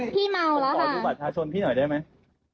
พี่เมาแล้วค่ะขอดูบัตรชาชนพี่หน่อยได้มั้ย